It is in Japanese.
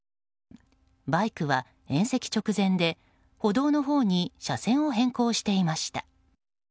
バイクは、縁石直前で歩道のほうに車線を変更していました。